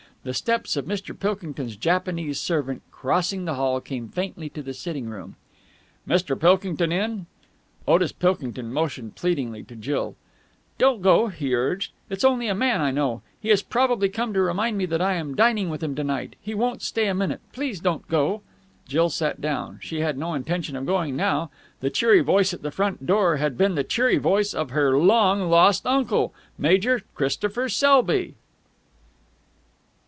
The steps of Mr. Pilkington's Japanese servant crossing the hall came faintly to the sitting room. "Mr. Pilkington in?" Otis Pilkington motioned pleadingly to Jill. "Don't go!" he urged. "It's only a man I know. He has probably come to remind me that I am dining with him to night. He won't stay a minute. Please don't go." Jill sat down. She had no intention of going now. The cheery voice at the front door had been the cheery voice of her long lost uncle, Major Christopher Selby.